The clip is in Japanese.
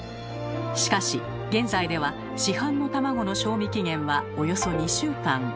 しかし現在では市販の卵の賞味期限はおよそ２週間。